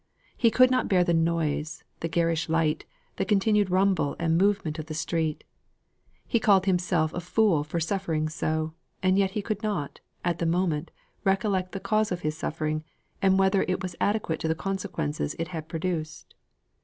He could not bear the noise, the garish light, the continued rumble and movement of the street. He called himself a fool for suffering so; and yet he could not, at the moment, recollect the cause of his suffering, and whether it was adequate to the consequences it had produced.